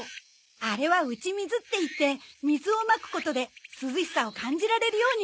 あれは打ち水っていって水をまくことで涼しさを感じられるようにしているんだ。